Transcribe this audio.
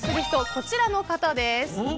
こちらの方です。